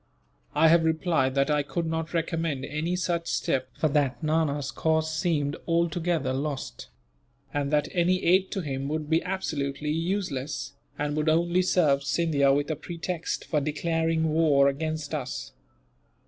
I have replied that I could not recommend any such step, for that Nana's cause seemed altogether lost; and that any aid to him would be absolutely useless, and would only serve Scindia with a pretext for declaring war against us.